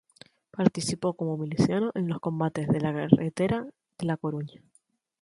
Participó como miliciano en los combates de la carretera de La Coruña.